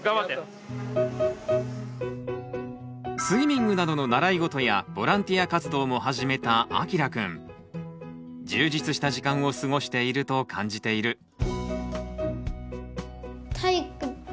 スイミングなどの習い事やボランティア活動も始めたあきらくん。充実した時間を過ごしていると感じている。